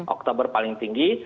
oktober paling tinggi